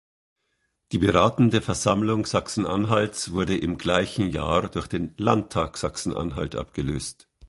Die Beratende Versammlung Sachsen-Anhalts wurde im gleichen Jahr durch den Landtag Sachsen-Anhalt abgelöst.